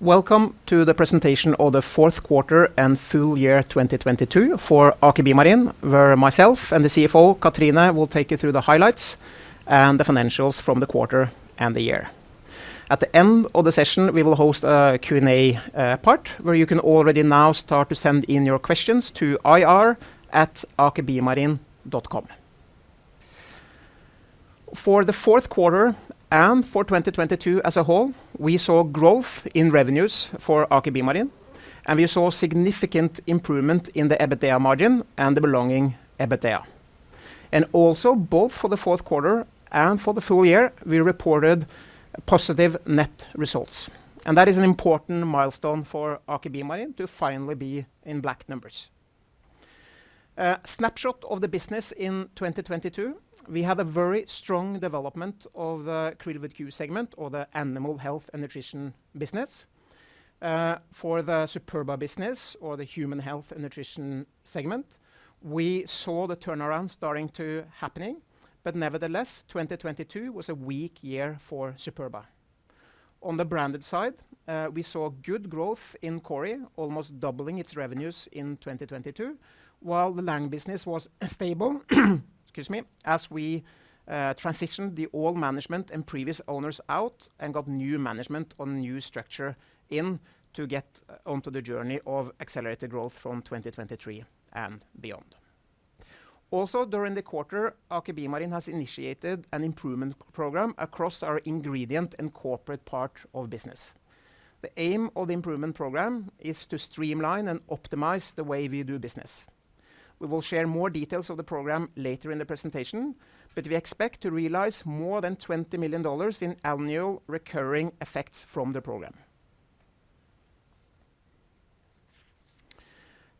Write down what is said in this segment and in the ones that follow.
Welcome to the presentation of the fourth quarter and full year 2022 for Aker BioMarine, where myself and the CFO, Katrine, will take you through the highlights and the financials from the quarter and the year. At the end of the session, we will host a Q&A part where you can already now start to send in your questions to ir@akerbiomarine.com. For the fourth quarter and for 2022 as a whole, we saw growth in revenues for Aker BioMarine. We saw significant improvement in the EBITDA margin and the belonging EBITDA. Also both for the fourth quarter and for the full year, we reported positive net results. That is an important milestone for Aker BioMarine to finally be in black numbers. Snapshot of the business in 2022, we had a very strong development of the Krill segment or the animal health and nutrition business. For the Superba business or the human health and nutrition segment, we saw the turnaround starting to happening, nevertheless, 2022 was a weak year for Superba. On the branded side, we saw good growth in Kori, almost doubling its revenues in 2022, while the Lang business was stable, excuse me, as we transitioned the old management and previous owners out and got new management on new structure in to get onto the journey of accelerated growth from 2023 and beyond. During the quarter, Aker BioMarine has initiated an improvement program across our ingredient and corporate part of business. The aim of the improvement program is to streamline and optimize the way we do business. We will share more details of the program later in the presentation, but we expect to realize more than $20 million in annual recurring effects from the program.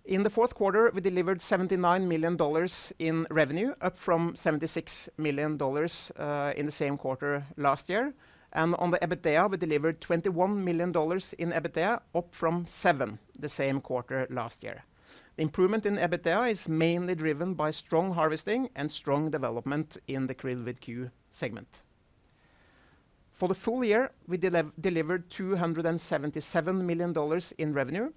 In the fourth quarter, we delivered $79 million in revenue, up from $76 million in the same quarter last year. On the EBITDA, we delivered $21 million in EBITDA, up from $7 million the same quarter last year. The improvement in EBITDA is mainly driven by strong harvesting and strong development in the Krill Aqua segment. For the full year, we delivered $277 million in revenue,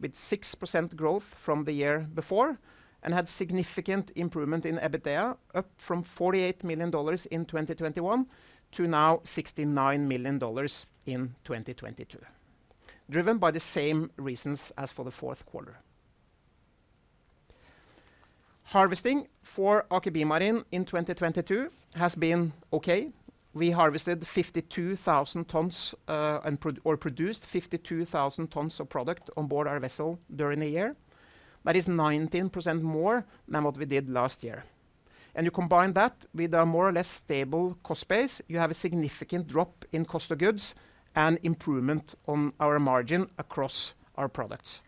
with 6% growth from the year before, and had significant improvement in EBITDA, up from $48 million in 2021 to now $69 million in 2022, driven by the same reasons as for the fourth quarter. Harvesting for Aker BioMarine in 2022 has been okay. We harvested 52,000 tons and produced 52,000 tons of product on board our vessel during the year. That is 19% more than what we did last year. You combine that with a more or less stable cost base, you have a significant drop in COGS and improvement on our margin across our products.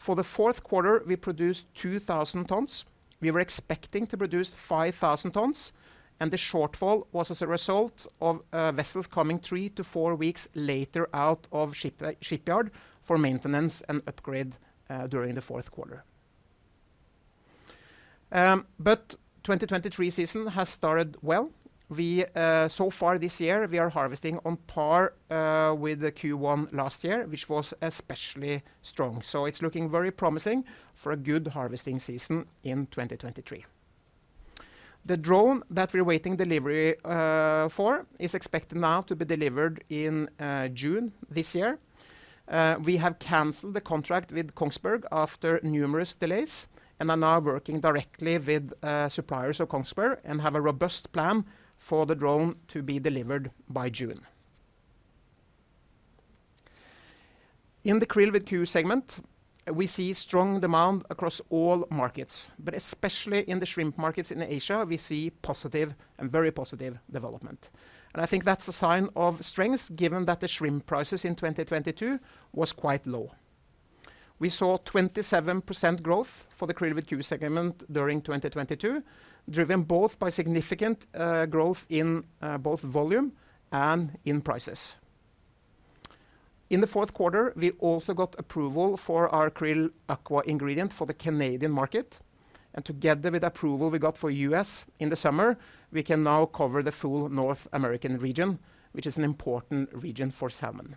For the fourth quarter, we produced 2,000 tons. We were expecting to produce 5,000 tons, the shortfall was as a result of vessels coming 3 to 4 weeks later out of shipyard for maintenance and upgrade during the fourth quarter. 2023 season has started well. We, so far this year, we are harvesting on par with the Q1 last year, which was especially strong. It's looking very promising for a good harvesting season in 2023. The drone that we're waiting delivery for is expected now to be delivered in June this year. We have canceled the contract with Kongsberg after numerous delays and are now working directly with suppliers of Kongsberg and have a robust plan for the drone to be delivered by June. In the Krill with Q segment, we see strong demand across all markets, but especially in the shrimp markets in Asia, we see positive and very positive development. I think that's a sign of strength, given that the shrimp prices in 2022 was quite low. We saw 27% growth for the Krill with Q segment during 2022, driven both by significant growth in both volume and in prices. In the fourth quarter, we also got approval for our Krill Aqua ingredient for the Canadian market. Together with approval we got for US in the summer, we can now cover the full North American region, which is an important region for salmon.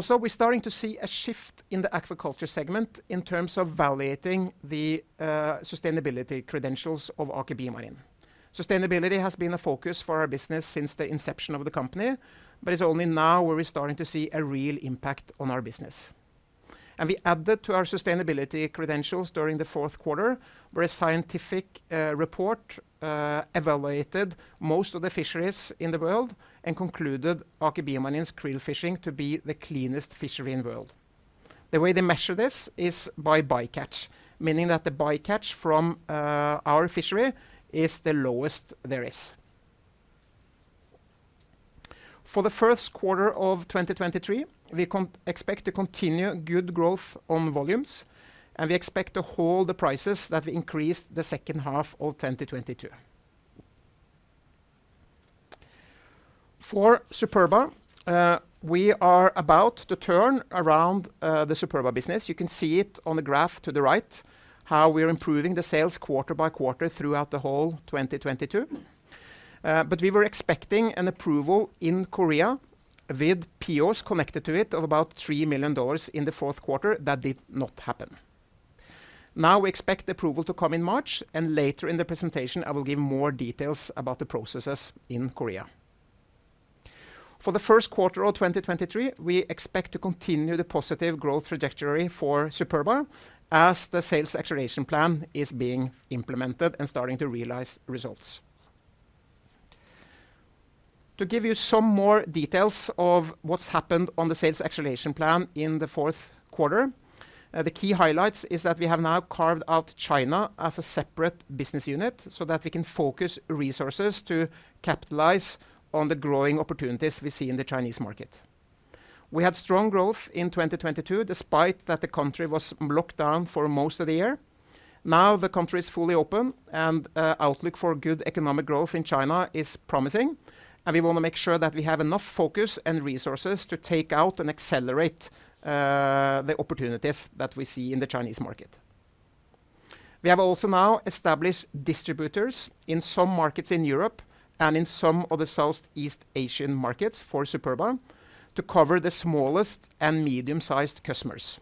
We're starting to see a shift in the aquaculture segment in terms of evaluating the sustainability credentials of Aker BioMarine. Sustainability has been a focus for our business since the inception of the company, but it's only now where we're starting to see a real impact on our business. We added to our sustainability credentials during the fourth quarter, where a scientific report evaluated most of the fisheries in the world and concluded Aker BioMarine's krill fishing to be the cleanest fishery in the world. The way they measure this is by bycatch, meaning that the bycatch from our fishery is the lowest there is. For the first quarter of 2023, we expect to continue good growth on volumes, and we expect to hold the prices that increased the second half of 2022. For Superba, we are about to turn around the Superba business. You can see it on the graph to the right, how we are improving the sales quarter by quarter throughout the whole 2022. We were expecting an approval in Korea with POs connected to it of about $3 million in the fourth quarter. That did not happen. We expect the approval to come in March, and later in the presentation, I will give more details about the processes in Korea. For the first quarter of 2023, we expect to continue the positive growth trajectory for Superba as the sales acceleration plan is being implemented and starting to realize results. To give you some more details of what's happened on the sales acceleration plan in the fourth quarter, the key highlights is that we have now carved out China as a separate business unit so that we can focus resources to capitalize on the growing opportunities we see in the Chinese market. We had strong growth in 2022, despite that the country was locked down for most of the year. Now the country is fully open and outlook for good economic growth in China is promising, and we want to make sure that we have enough focus and resources to take out and accelerate the opportunities that we see in the Chinese market. We have also now established distributors in some markets in Europe and in some of the Southeast Asian markets for Superba to cover the smallest and medium-sized customers.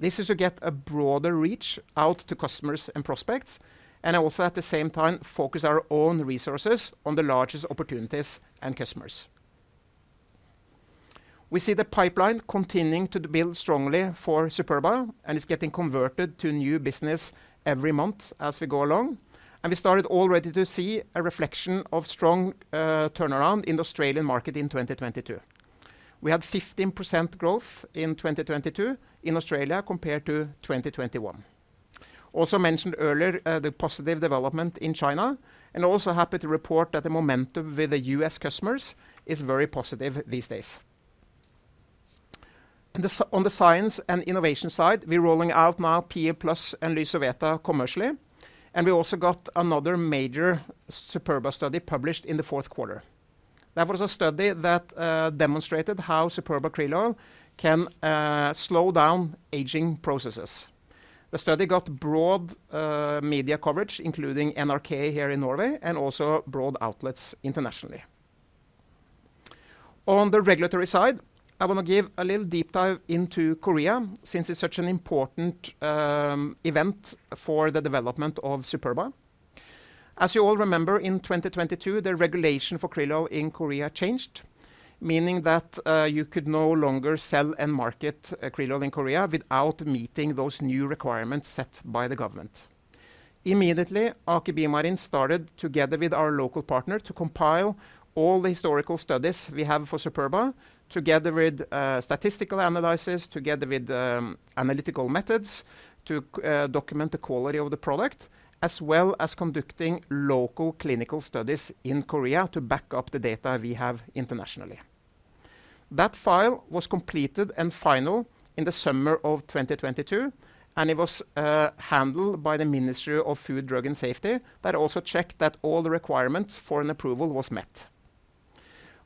This is to get a broader reach out to customers and prospects, and also at the same time focus our own resources on the largest opportunities and customers. We see the pipeline continuing to build strongly for Superba and it's getting converted to new business every month as we go along. We started already to see a reflection of strong turnaround in the Australian market in 2022. We had 15% growth in 2022 in Australia compared to 2021. Also mentioned earlier, the positive development in China and also happy to report that the momentum with the US customers is very positive these days. On the science and innovation side, we're rolling out now PA+ and LYSOVETA commercially. We also got another major Superba study published in the fourth quarter. That was a study that demonstrated how Superba Krill Oil can slow down aging processes. The study got broad media coverage, including NRK here in Norway and also broad outlets internationally. On the regulatory side, I want to give a little deep dive into Korea since it's such an important event for the development of Superba. As you all remember, in 2022, the regulation for krill oil in Korea changed, meaning that you could no longer sell and market krill oil in Korea without meeting those new requirements set by the government. Immediately, Aker BioMarine started together with our local partner to compile all the historical studies we have for Superba together with statistical analysis together with analytical methods to document the quality of the product, as well as conducting local clinical studies in Korea to back up the data we have internationally. That file was completed and final in the summer of 2022, it was handled by the Ministry of Food and Drug Safety that also checked that all the requirements for an approval was met.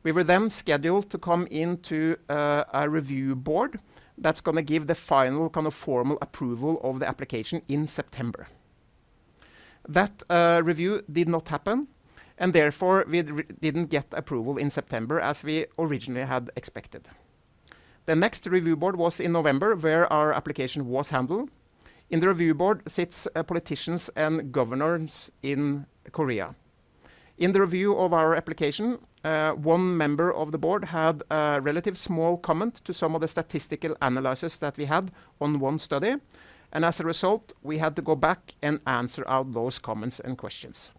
We were scheduled to come into a review board that's going to give the final formal approval of the application in September. That review did not happen therefore we didn't get approval in September as we originally had expected. The next review board was in November where our application was handled. In the review board sits, politicians and governors in Korea. In the review of our application, one member of the board had a relative small comment to some of the statistical analysis that we had on one study. We had to go back and answer out those comments and questions.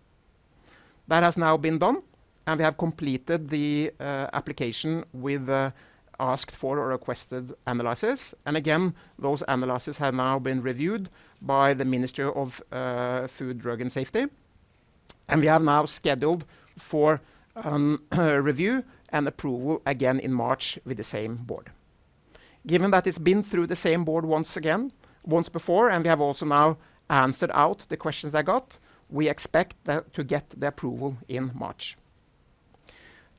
That has now been done. We have completed the application with the asked for or requested analysis. Again, those analysis have now been reviewed by the Ministry of Food and Drug Safety. We have now scheduled for review and approval again in March with the same board. Given that it's been through the same board once before, and we have also now answered out the questions I got, we expect to get the approval in March.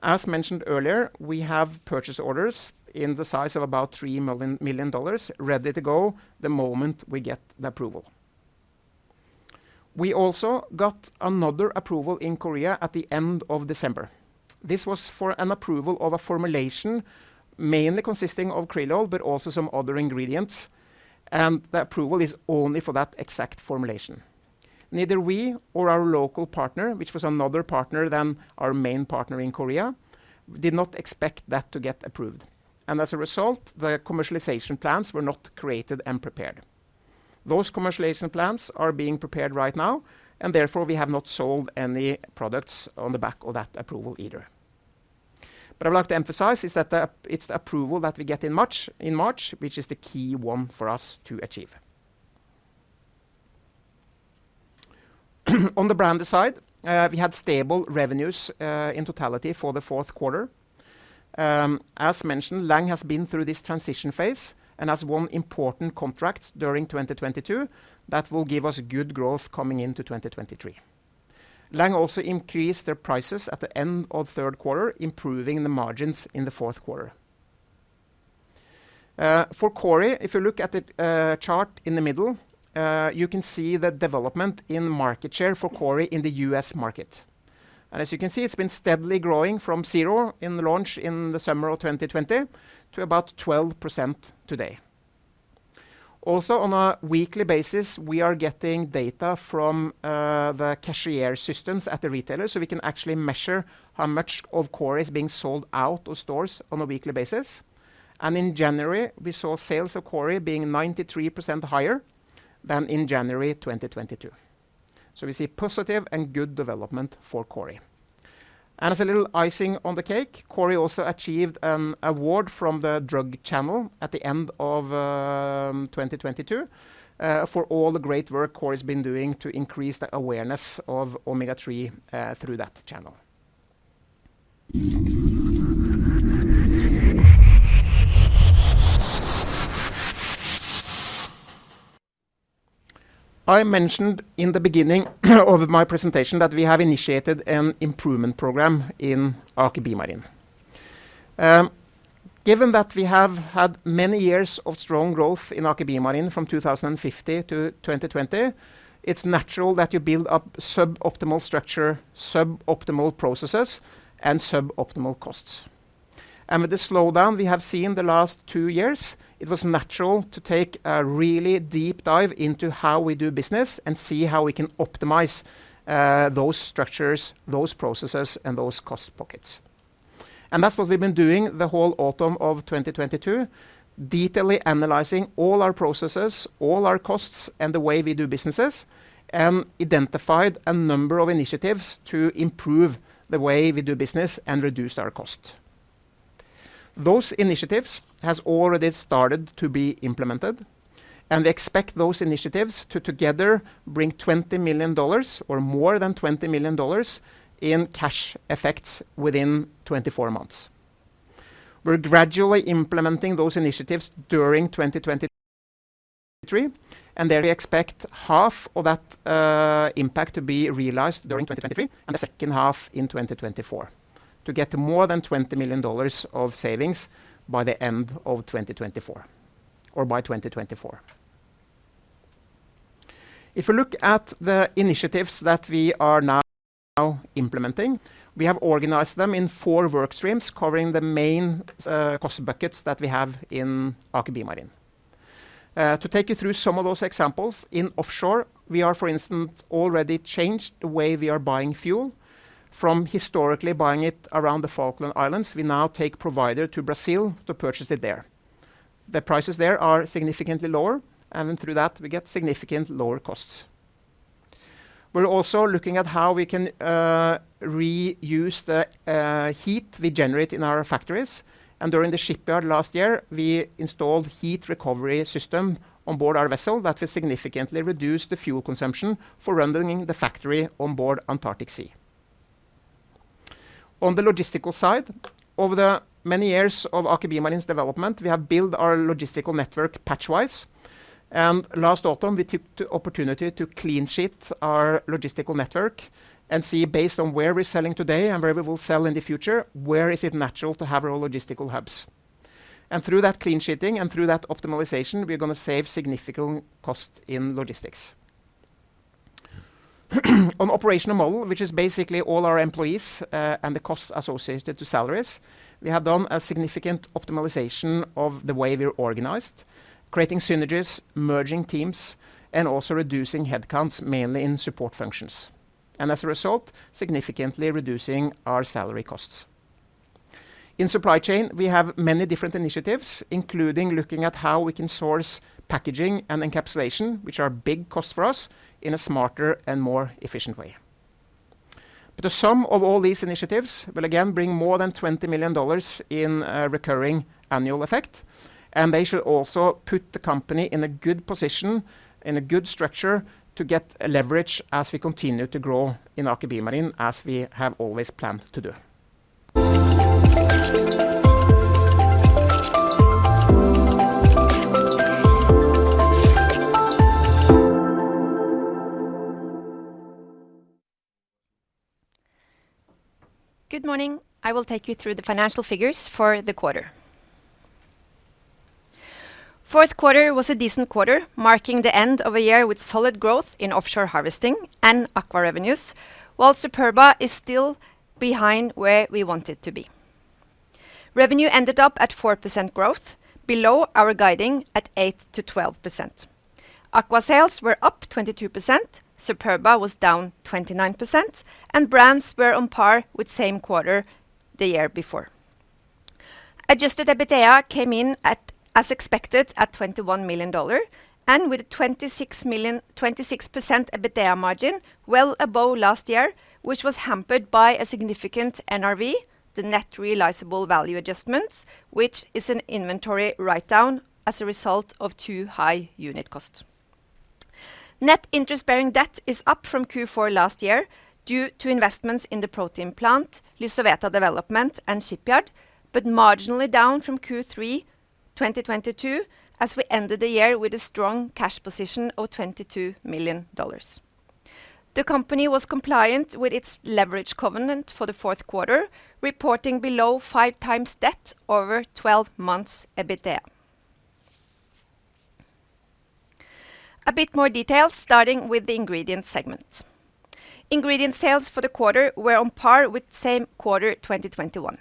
As mentioned earlier, we have purchase orders in the size of about $3 million ready to go the moment we get the approval. We also got another approval in Korea at the end of December. This was for an approval of a formulation mainly consisting of krill oil but also some other ingredients. The approval is only for that exact formulation. Neither we or our local partner, which was another partner than our main partner in Korea, did not expect that to get approved. As a result, the commercialization plans were not created and prepared. Those commercialization plans are being prepared right now. Therefore we have not sold any products on the back of that approval either. I'd like to emphasize is that it's the approval that we get in March which is the key one for us to achieve. On the brand side, we had stable revenues in totality for the fourth quarter. As mentioned, Lang has been through this transition phase and has won important contracts during 2022 that will give us good growth coming into 2023. Lang also increased their prices at the end of third quarter, improving the margins in the fourth quarter. For Kori, if you look at the chart in the middle, you can see the development in market share for Kori in the US market. As you can see, it's been steadily growing from 0 in the launch in the summer of 2020 to about 12% today. Also, on a weekly basis, we are getting data from the cashier systems at the retailers, so we can actually measure how much of Kori is being sold out of stores on a weekly basis. In January, we saw sales of Kori being 93% higher than in January 2022. We see positive and good development for Kori. As a little icing on the cake, Kori also achieved an award from the Drug Channel at the end of 2022 for all the great work Kori's been doing to increase the awareness of omega-3 through that channel. I mentioned in the beginning of my presentation that we have initiated an improvement program in Aker BioMarine. Given that we have had many years of strong growth in Aker BioMarine from 2015 to 2020, it's natural that you build up suboptimal structure, suboptimal processes, and suboptimal costs. With the slowdown we have seen the last two years, it was natural to take a really deep dive into how we do business and see how we can optimize those structures, those processes, and those cost pockets. That's what we've been doing the whole autumn of 2022, detailing, analyzing all our processes, all our costs, and the way we do businesses, and identified a number of initiatives to improve the way we do business and reduced our cost. Those initiatives has already started to be implemented, and we expect those initiatives to together bring $20 million or more than $20 million in cash effects within 24 months. We're gradually implementing those initiatives during 2023, and there we expect half of that impact to be realized during 2023 and the second half in 2024 to get to more than $20 million of savings by the end of 2024 or by 2024. If you look at the initiatives that we are now implementing, we have organized them in four work streams covering the main cost buckets that we have in Aker BioMarine. To take you through some of those examples, in offshore, we are, for instance, already changed the way we are buying fuel. From historically buying it around the Falkland Islands, we now take provider to Brazil to purchase it there. The prices there are significantly lower, and then through that, we get significant lower costs. We're also looking at how we can reuse the heat we generate in our factories. During the shipyard last year, we installed heat recovery system on board our vessel that will significantly reduce the fuel consumption for running the factory on board Antarctic Sea. On the logistical side, over the many years of Aker BioMarine's development, we have built our logistical network patchwise. Last autumn, we took the opportunity to clean sheet our logistical network and see based on where we're selling today and where we will sell in the future, where is it natural to have our logistical hubs. Through that clean sheeting and through that optimization, we're gonna save significant cost in logistics. On operational model, which is basically all our employees, and the cost associated to salaries, we have done a significant optimization of the way we're organized, creating synergies, merging teams, and also reducing headcounts, mainly in support functions, and as a result, significantly reducing our salary costs. In supply chain, we have many different initiatives, including looking at how we can source packaging and encapsulation, which are big costs for us, in a smarter and more efficient way. The sum of all these initiatives will again bring more than $20 million in recurring annual effect, and they should also put the company in a good position, in a good structure to get a leverage as we continue to grow in Aker BioMarine as we have always planned to do. Good morning. I will take you through the financial figures for the quarter. Fourth quarter was a decent quarter, marking the end of a year with solid growth in offshore harvesting and Krill Aqua revenues, while Superba is still behind where we want it to be. Revenue ended up at 4% growth, below our guiding at 8%-12%. Krill Aqua sales were up 22%, Superba was down 29%, Brands were on par with same quarter the year before. Adjusted EBITDA came in as expected at $21 million with a 26% EBITDA margin, well above last year, which was hampered by a significant NRV, the net realizable value adjustments, which is an inventory write-down as a result of too high unit cost. Net interest-bearing debt is up from Q4 last year due to investments in the protein plant, LYSOVETA development, and shipyard, but marginally down from Q3 2022 as we ended the year with a strong cash position of $22 million. The company was compliant with its leverage covenant for the fourth quarter, reporting below 5 times debt over 12 months EBITDA. A bit more details, starting with the ingredient segment. Ingredient sales for the quarter were on par with same quarter 2021.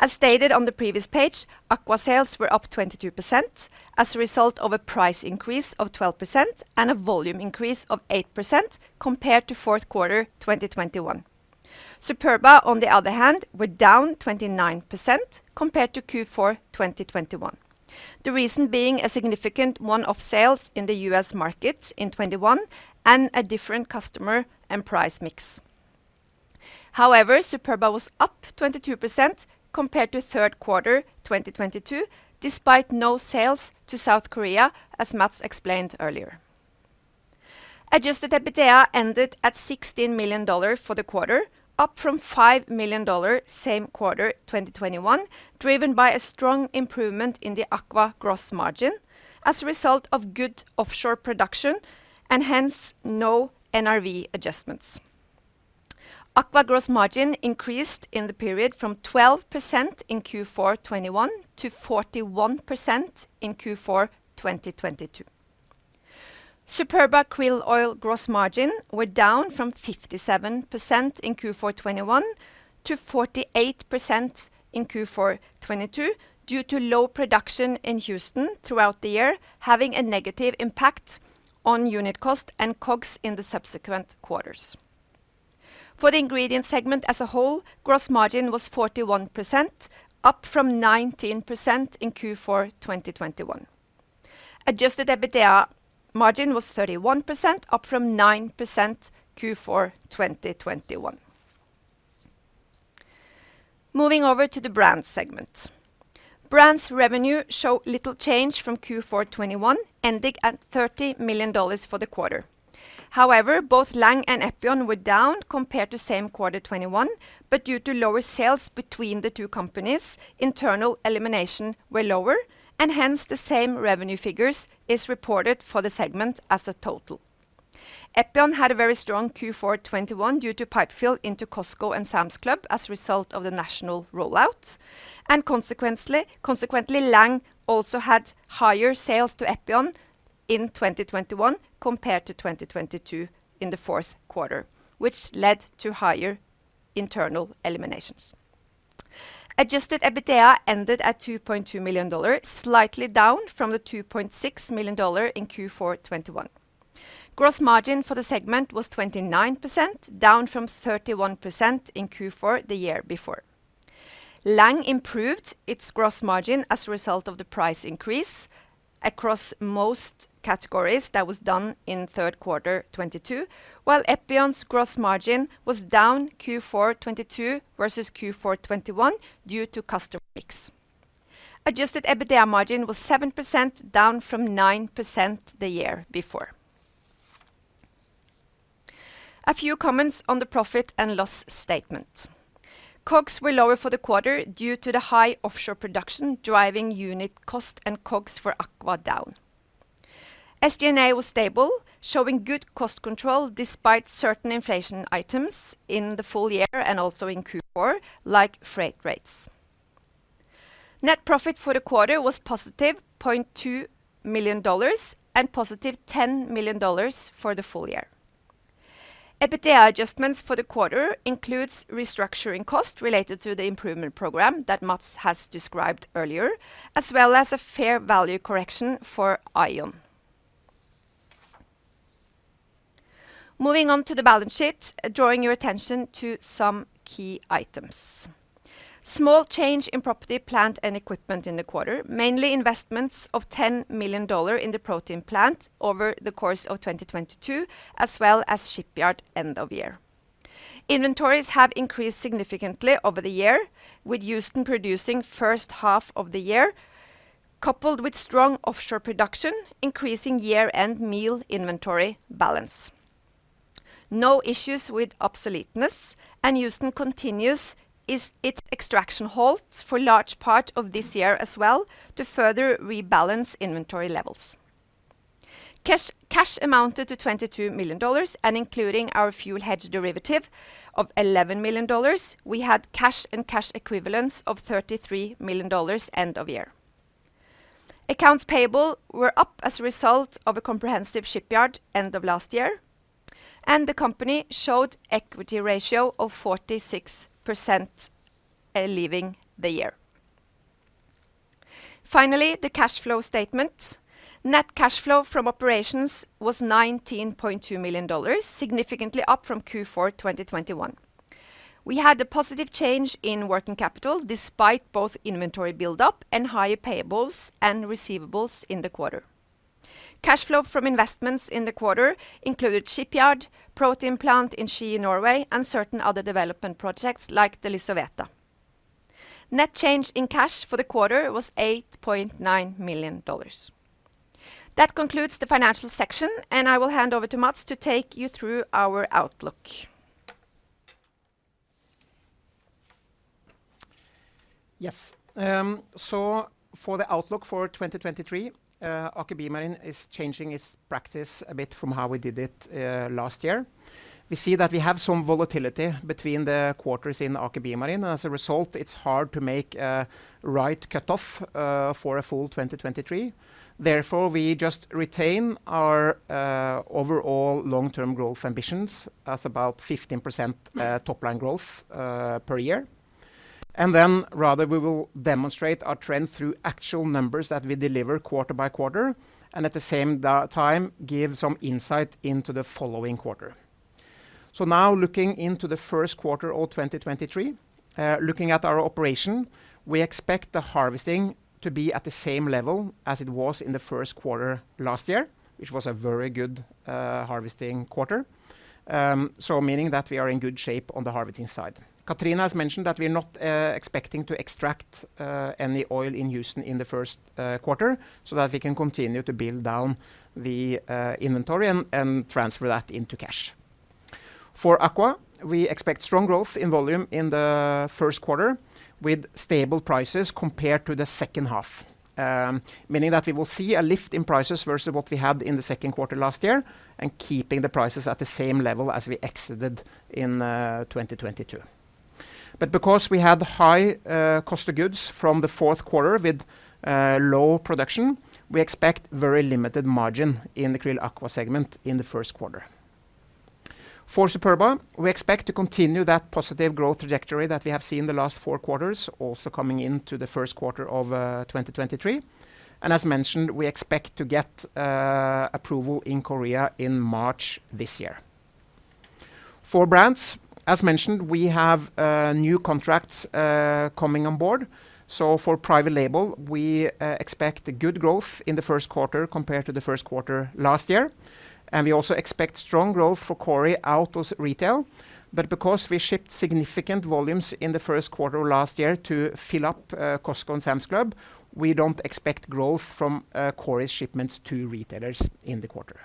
As stated on the previous page, Krill Aqua sales were up 22% as a result of a price increase of 12% and a volume increase of 8% compared to fourth quarter 2021. Superba, on the other hand, were down 29% compared to Q4, 2021. The reason being a significant one of sales in the US market in 2021 and a different customer and price mix. Superba was up 22% compared to third quarter 2022, despite no sales to South Korea, as Mats explained earlier. Adjusted EBITDA ended at $16 million for the quarter, up from $5 million same quarter 2021, driven by a strong improvement in the Krill Aqua gross margin as a result of good offshore production, and hence no NRV adjustments. Krill Aqua margin increased in the period from 12% in Q4, 2021 to 41% in Q4, 2022. Superba krill oil gross margin were down from 57% in Q4, 2021 to 48% in Q4, 2022 due to low production in Houston throughout the year, having a negative impact on unit cost and COGS in the subsequent quarters. For the ingredient segment as a whole, gross margin was 41%, up from 19% in Q4 2021. Adjusted EBITDA margin was 31%, up from 9% Q4 2021. Moving over to the brand segment. Brand's revenue show little change from Q4 2021, ending at $30 million for the quarter. However, both Lang and Epion were down compared to same quarter 2021, but due to lower sales between the two companies, internal elimination were lower, and hence the same revenue figures is reported for the segment as a total. Epion had a very strong Q4 2021 due to pipe fill into Costco and Sam's Club as a result of the national rollout. Consequently, Lang also had higher sales to Epion in 2021 compared to 2022 in the fourth quarter, which led to higher internal eliminations. Adjusted EBITDA ended at $2.2 million, slightly down from the $2.6 million in Q4 2021. Gross margin for the segment was 29%, down from 31% in Q4 the year before. Lang improved its gross margin as a result of the price increase across most categories. That was done in third quarter 2022, while Epion's gross margin was down Q4 2022 versus Q4 2021 due to customer mix. Adjusted EBITDA margin was 7%, down from 9% the year before. A few comments on the profit and loss statement. COGS were lower for the quarter due to the high offshore production, driving unit cost and COGS for Aqua down. SG&A was stable, showing good cost control despite certain inflation items in the full year and also in Q4, like freight rates. Net profit for the quarter was positive $0.2 million. Positive $10 million for the full year. EBITDA adjustments for the quarter includes restructuring cost related to the improvement program that Mats has described earlier, as well as a fair value correction for Aion. Moving on to the balance sheet, drawing your attention to some key items. Small change in property, plant and equipment in the quarter, mainly investments of $10 million in the protein plant over the course of 2022, as well as shipyard end of year. Inventories have increased significantly over the year, with Houston producing first half of the year, coupled with strong offshore production, increasing year-end meal inventory balance. No issues with obsoleteness, and Houston continues its extraction halt for large part of this year as well to further rebalance inventory levels. Cash amounted to $22 million, including our fuel hedge derivative of $11 million, we had cash and cash equivalents of $33 million end of year. Accounts payable were up as a result of a comprehensive shipyard end of last year. The company showed equity ratio of 46% leaving the year. The cash flow statement. Net cash flow from operations was $19.2 million, significantly up from Q4, 2021. We had a positive change in working capital despite both inventory build-up and higher payables and receivables in the quarter. Cash flow from investments in the quarter included shipyard, protein plant in Ski, Norway, and certain other development projects like the LYSOVETA. Net change in cash for the quarter was $8.9 million. That concludes the financial section, and I will hand over to Mats to take you through our outlook. Yes. For the outlook for 2023, Aker BioMarine is changing its practice a bit from how we did it last year. We see that we have some volatility between the quarters in Aker BioMarine. As a result, it's hard to make a right cutoff for a full 2023. Therefore, we just retain our overall long-term growth ambitions as about 15% top-line growth per year. Rather we will demonstrate our trends through actual numbers that we deliver quarter by quarter, and at the same time, give some insight into the following quarter. Now looking into the first quarter of 2023, looking at our operation, we expect the harvesting to be at the same level as it was in the first quarter last year, which was a very good harvesting quarter. Meaning that we are in good shape on the harvesting side. Katrine has mentioned that we're not expecting to extract any oil in Houston in the 1st quarter, so that we can continue to build down the inventory and transfer that into cash. For Aqua, we expect strong growth in volume in the 1st quarter with stable prices compared to the 2nd half. Meaning that we will see a lift in prices versus what we had in the 2nd quarter last year, and keeping the prices at the same level as we exited in 2022. Because we had high COGS from the 4th quarter with low production, we expect very limited margin in the Krill Aqua segment in the 1st quarter. For Superba, we expect to continue that positive growth trajectory that we have seen the last four quarters also coming into the first quarter of 2023. As mentioned, we expect to get approval in Korea in March this year. For brands, as mentioned, we have new contracts coming on board. For private label, we expect a good growth in the first quarter compared to the first quarter last year. We also expect strong growth for Cory out of retail. Because we shipped significant volumes in the first quarter last year to fill up Costco and Sam's Club, we don't expect growth from Cory's shipments to retailers in the quarter.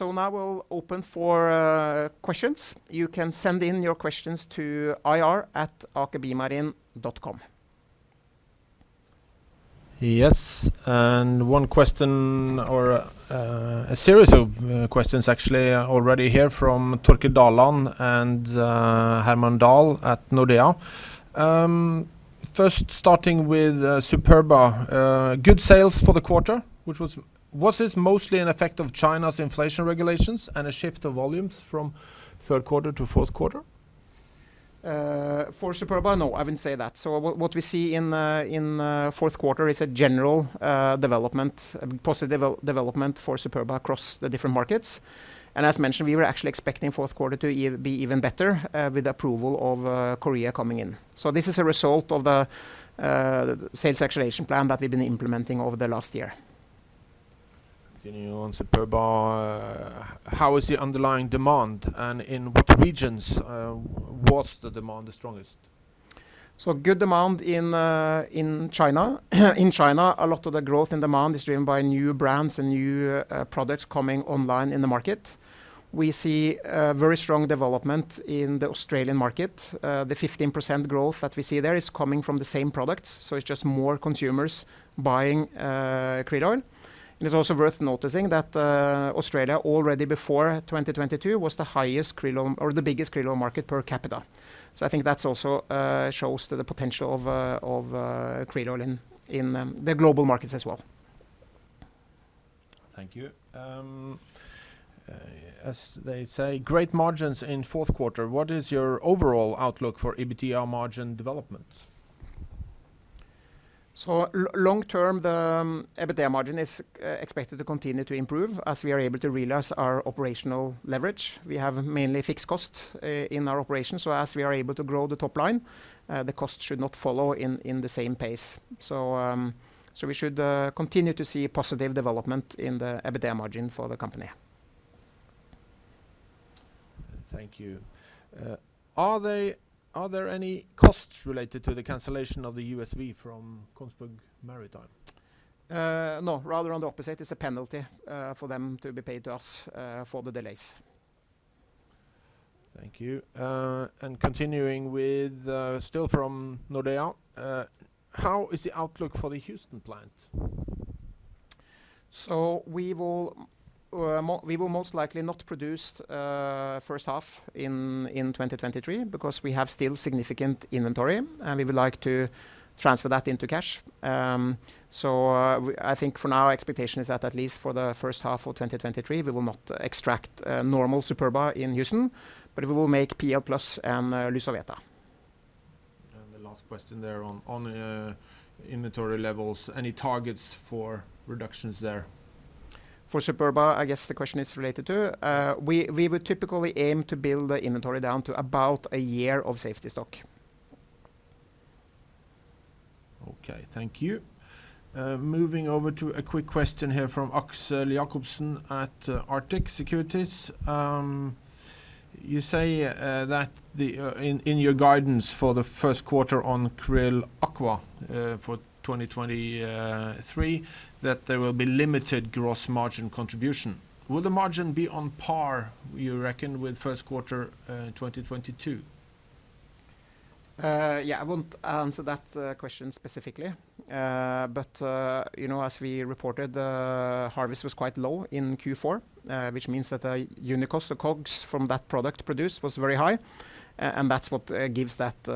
Now we'll open for questions. You can send in your questions to ir@akerbiomarine.com. Yes. One question or a series of questions actually already here from Torkjel Dalan and Herman Dahl at Nordea. First starting with Superba. Good sales for the quarter. Was this mostly an effect of China's inflation regulations and a shift of volumes from third quarter to fourth quarter? For Superba? No, I wouldn't say that. What we see in fourth quarter is a general development, positive development for Superba across the different markets. As mentioned, we were actually expecting fourth quarter to be even better with approval of Korea coming in. This is a result of the sales acceleration plan that we've been implementing over the last year. Continuing on Superba. How is the underlying demand, and in what regions, was the demand the strongest? Good demand in China. In China, a lot of the growth and demand is driven by new brands and new products coming online in the market. We see a very strong development in the Australian market. The 15% growth that we see there is coming from the same products, so it's just more consumers buying krill oil. It's also worth noticing that Australia already before 2022 was the highest krill oil or the biggest krill oil market per capita. I think that's also shows to the potential of krill oil in the global markets as well. Thank you. As they say, great margins in fourth quarter, what is your overall outlook for EBITDA margin development? Long term, the EBITDA margin is expected to continue to improve as we are able to realize our operational leverage. We have mainly fixed costs in our operations, so as we are able to grow the top line, the cost should not follow in the same pace. We should continue to see positive development in the EBITDA margin for the company. Thank you. Are there any costs related to the cancellation of the USV from Kongsberg Maritime? No, rather on the opposite, it's a penalty, for them to be paid to us, for the delays. Thank you. Continuing with, still from Nordea. How is the outlook for the Houston plant? We will most likely not produce first half in 2023 because we have still significant inventory, and we would like to transfer that into cash. I think for now expectation is that at least for the first half of 2023, we will not extract normal Superba in Houston, but we will make PA+ and LYSOVETA. The last question there on inventory levels. Any targets for reductions there? For Superba, I guess the question is related to. We would typically aim to build the inventory down to about a year of safety stock. Okay, thank you. Moving over to a quick question here from Axel Jacobsen at Arctic Securities. You say that the in your guidance for the first quarter on Krill Aqua for 2023, that there will be limited gross margin contribution. Will the margin be on par, you reckon, with first quarter 2022? Yeah, I won't answer that question specifically. You know, as we reported, the harvest was quite low in Q4, which means that unit cost or COGS from that product produced was very high. That's what gives that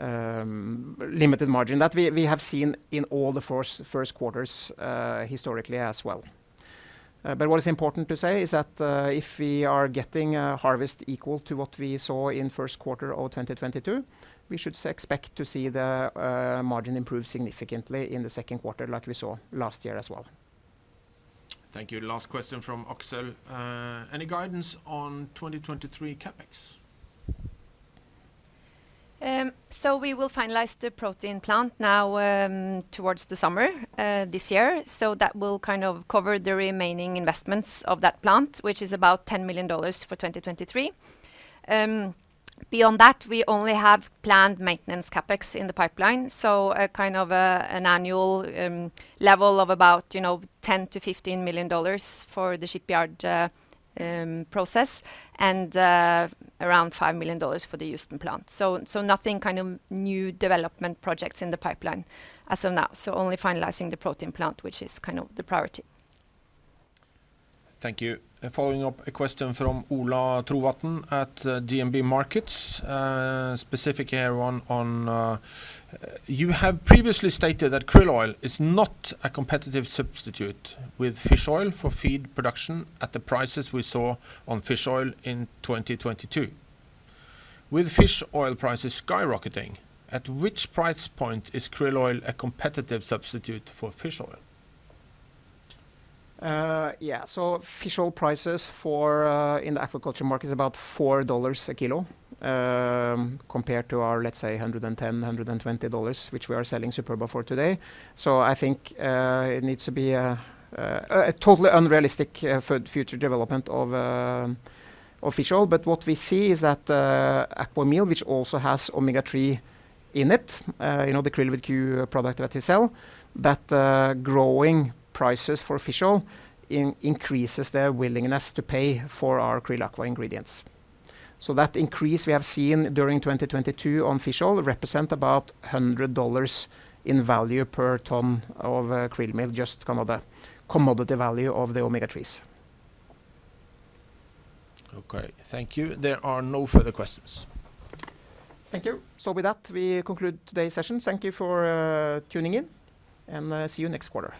limited margin that we have seen in all the first quarters historically as well. What is important to say is that if we are getting a harvest equal to what we saw in first quarter of 2022, we should expect to see the margin improve significantly in the second quarter like we saw last year as well. Thank you. Last question from Axel. Any guidance on 2023 CapEx? We will finalize the protein plant now towards the summer this year. That will cover the remaining investments of that plant, which is about $10 million for 2023. Beyond that, we only have planned maintenance CapEx in the pipeline. An annual level of about, you know, $10 million-$15 million for the shipyard process and around $5 million for the Houston plant. Nothing new development projects in the pipeline as of now. Only finalizing the protein plant, which is the priority. Thank you. Following up, a question from Ola Trovatn at DNB Markets. Specific here on you have previously stated that Krill oil is not a competitive substitute with fish oil for feed production at the prices we saw on fish oil in 2022. With fish oil prices skyrocketing, at which price point is krill oil a competitive substitute for fish oil? Yeah. Fish oil prices for in the agriculture market is about $4 a kilo compared to our, let's say, $110-$120, which we are selling Superba for today. I think it needs to be a totally unrealistic future development of fish oil. What we see is that Aquameal, which also has omega-3 in it, you know, the Krill with Q product that we sell, that growing prices for fish oil increases their willingness to pay for our Krill Aqua ingredients. That increase we have seen during 2022 on fish oil represent about $100 in value per ton of krill meal, just the commodity value of the omega-3s. Okay, thank you. There are no further questions. Thank you. With that, we conclude today's session. Thank you for tuning in and see you next quarter.